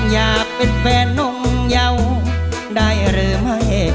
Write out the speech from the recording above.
อยากเป็นแฟนนมเยาว์ได้หรือไม่